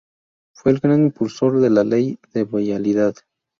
Fue el gran impulsor de la Ley de Vialidad.